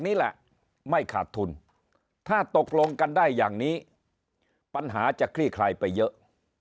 นี่แหละไม่ขาดทุนถ้าตกลงกันได้อย่างนี้ปัญหาจะคลี่คลายไปเยอะ